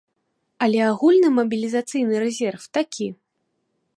Але агульны мабілізацыйны рэзерв такі.